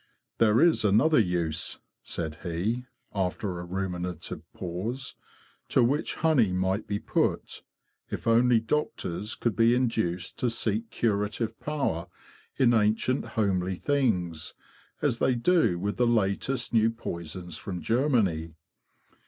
'There is another use,'' said he, after a ruminative pause, "' to which honey might be put, if only doctors could be induced to seek curative power in ancient homely things, as they do with the latest new poisons from Germany.